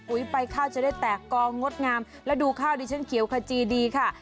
ไปข้าวจะได้แตกกองงดงามแล้วดูข้าวดิฉันเขียวขจีดีค่ะ